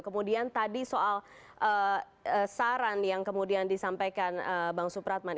kemudian tadi soal saran yang kemudian disampaikan bang supratman